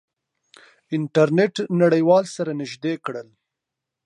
انټرنیټ نړیوال سره نزدې کړل.